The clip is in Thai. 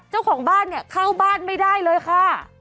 เจ้าของบ้านเนี่ยเข้าบ้านไม่ได้เลยค่ะ